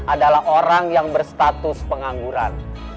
adalah orang yang berstatus pengangguran